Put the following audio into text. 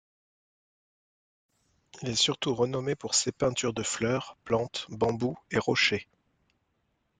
Il est surtout renommé pour ses peintures de fleurs, plantes, bambous et rochers.